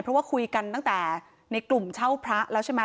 เพราะว่าคุยกันตั้งแต่ในกลุ่มเช่าพระแล้วใช่ไหม